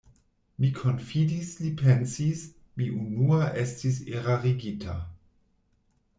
Mi konfidis, li pensis: mi unua estis erarigita.